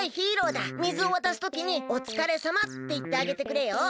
水を渡すときに「おつかれさま」っていってあげてくれよ。